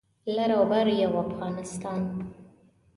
لر او بر یو افغانستان